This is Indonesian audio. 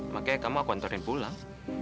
makanya kamu aku nganterin pulang